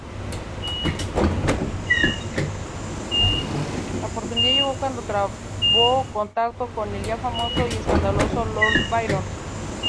La oportunidad llegó cuando trabó contacto con el ya famoso y escandaloso Lord Byron.